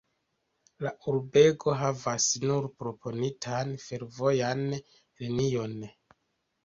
La urbego havas nur proponitan fervojan linion.